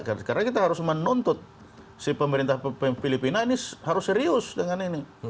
karena kita harus menuntut si pemerintah filipina ini harus serius dengan ini